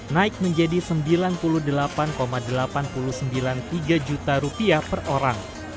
naik menjadi sembilan puluh delapan delapan puluh sembilan tiga juta rupiah per orang